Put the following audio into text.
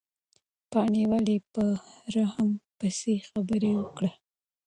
پاڼې ولې په رحیم پسې خبره وکړه؟